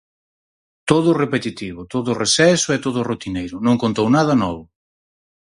Todo repetitivo, todo reseso e todo rutineiro, non contou nada novo.